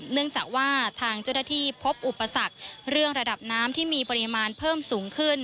เนื่องจากว่าทางเจ้าหน้าที่พบอุปสรรคเรื่องระดับน้ำที่มีปริมาณเพิ่มสูงขึ้น